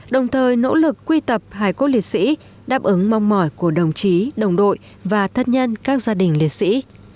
đồng thời nỗ lực quy tập hải cốt liệt sĩ đáp ứng mong mỏi của đồng chí đồng đội và thất nhân các gia đình liệt sĩ